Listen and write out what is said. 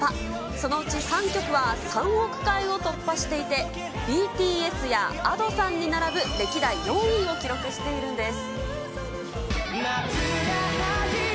そのうち３曲は３億回を突破していて、ＢＴＳやＡｄｏさんに並ぶ歴代４位を記録しているんです。